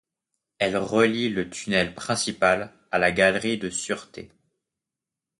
Elles relient le tunnel principal à la galerie de sureté.